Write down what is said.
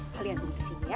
kalian tunggu di sini ya